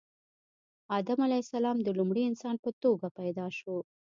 آدم علیه السلام د لومړي انسان په توګه پیدا شو